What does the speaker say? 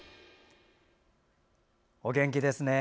お元気ですね。